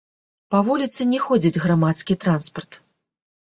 Па вуліцы не ходзіць грамадскі транспарт.